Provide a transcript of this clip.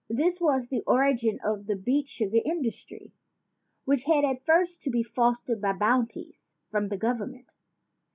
This was the origin of the beet sugar industry, which had at first to be fostered by bounties from the government.